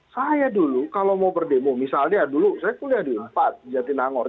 saya dulu kalau mau berdemo misalnya dulu saya kuliah di empat jatinangor